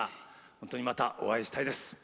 本当にまたお会いしたいです。